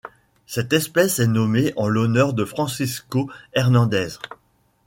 Cette espèce est nommée en l'honneur de Francisco Hernández.